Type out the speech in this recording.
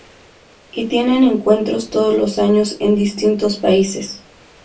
Y tienen encuentros todos los años en distintos países.